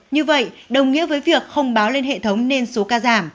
như vậy đồng nghĩa với việc không báo lên hệ thống nên số ca giảm